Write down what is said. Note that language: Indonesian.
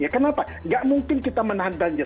kenapa nggak mungkin kita menahan banjir